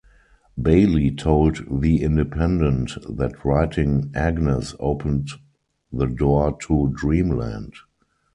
Bayley told "The Independent" that writing "Agnes" "opened the door" to "Dreamland".